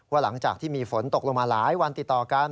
หลังจากที่มีฝนตกลงมาหลายวันติดต่อกัน